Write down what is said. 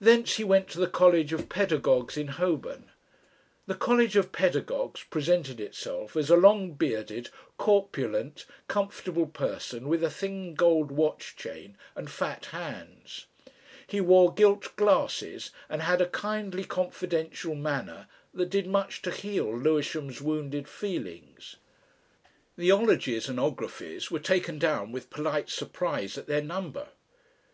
Thence he went to the College of Pedagogues in Holborn. The College of Pedagogues presented itself as a long bearded, corpulent, comfortable person with a thin gold watch chain and fat hands. He wore gilt glasses and had a kindly confidential manner that did much to heal Lewisham's wounded feelings. The 'ologies and 'ographies were taken down with polite surprise at their number.